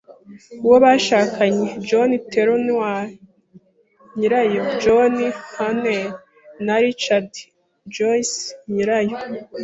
uwo bashakanye; John Trelawney, nyirayo; John Hunter na Richard Joyce, nyirayo